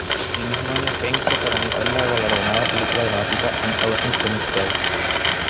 El mismo año, Peng protagonizó la galardonada película dramática "An Elephant Sitting Still".